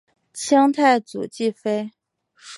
清太祖继妃。